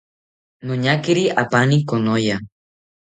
Noñakiri apaani konoya